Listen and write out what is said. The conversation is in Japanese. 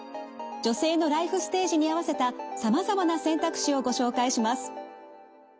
女性のライフステージに合わせたさまざまな選択肢をご紹介します。